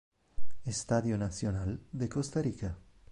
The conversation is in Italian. Estadio Nacional de Costa Rica